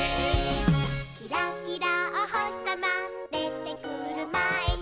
「キラキラおほしさまでてくるまえに」